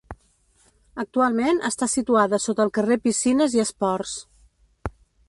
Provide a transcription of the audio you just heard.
Actualment està situada sota el carrer Piscines i Esports.